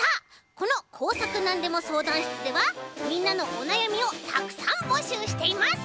この「こうさくなんでもそうだんしつ」ではみんなのおなやみをたくさんぼしゅうしています！